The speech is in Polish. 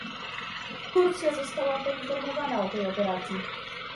Turcja została poinformowana o tej operacji